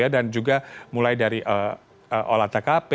dan juga mulai dari olah tkp